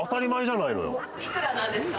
幾らなんですか？